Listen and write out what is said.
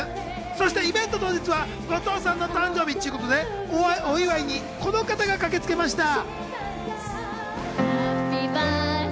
そしてイベント当日は後藤さんの誕生日っちゅうことで、お祝いにこの方が駆けつけました。